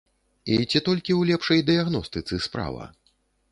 І ці толькі ў лепшай дыягностыцы справа?